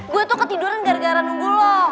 gua tuh ketiduran gara gara nunggu lu